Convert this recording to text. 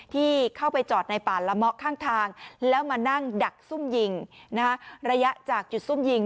ถ้านั่งดักซุ่มยิงระยะจากจุดซุ่มยิง